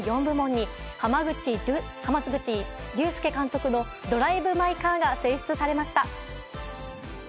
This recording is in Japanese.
４部門に、濱口竜介監督のドライブ・マイ・カーが選出されました。